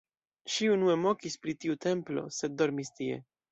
Ŝi unue mokis pri tiu templo, sed dormis tie.